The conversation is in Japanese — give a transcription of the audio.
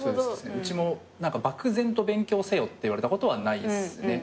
うちも漠然と「勉強せよ」って言われたことはないっすね。